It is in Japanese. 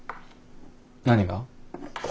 何が？